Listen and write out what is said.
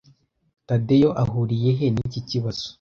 Tadeyo ahuriye he niki kibazo?